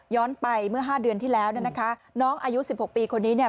ไปเมื่อ๕เดือนที่แล้วเนี่ยนะคะน้องอายุสิบหกปีคนนี้เนี่ย